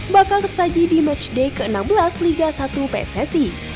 bakal tersaji di matchday ke enam belas liga satu pssi